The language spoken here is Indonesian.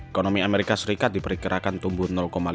ekonomi amerika serikat diperkirakan tumbuh lima